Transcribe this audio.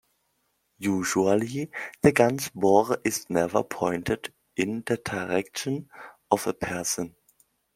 Usually the gun's bore is never pointed in the direction of a person.